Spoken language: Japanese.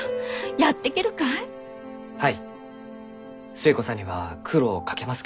寿恵子さんには苦労をかけます